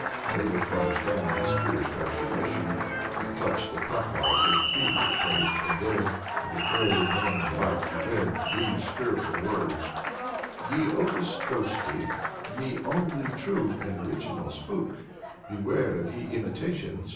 Unable to understand this curious transformation, he clutched the placard with feverish haste, and there, in the gray morning light, he read these fearful words: YE OTIS GHOSTE Ye Onlie True and Originale Spook, Beware of Ye Imitationes.